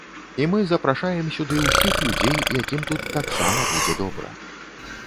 І мы запрашаем сюды ўсіх людзей, якім тут таксама будзе добра.